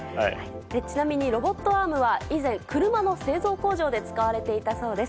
ちなみにロボットアームは以前、車の製造工場で使われていたそうです。